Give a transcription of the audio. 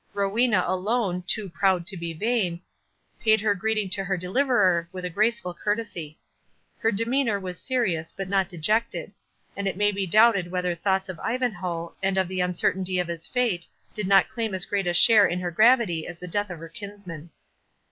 Rowena alone, too proud to be vain, paid her greeting to her deliverer with a graceful courtesy. Her demeanour was serious, but not dejected; and it may be doubted whether thoughts of Ivanhoe, and of the uncertainty of his fate, did not claim as great a share in her gravity as the death of her kinsman.